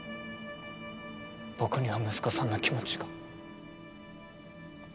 僕には息子さんの気持ちが。